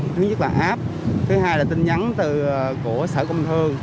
thứ nhất là app thứ hai là tin nhắn của sở công thương